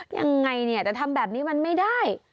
ยังไงเนี่ยแต่ทำแบบนี้มันไม่ได้